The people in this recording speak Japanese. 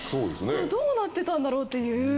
どうなってたんだろうっていう。